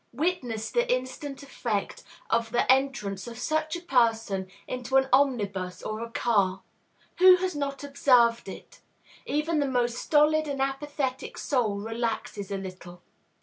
Witness the instant effect of the entrance of such a person into an omnibus or a car. Who has not observed it? Even the most stolid and apathetic soul relaxes a little.